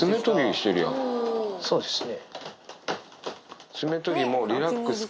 してそうですね。